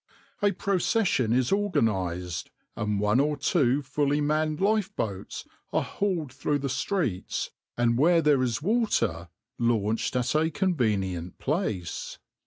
A procession is organised and one or two fully manned lifeboats are hauled through the streets, and where there is water launched at a convenient place.